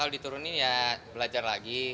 kalau diturunin ya belajar lagi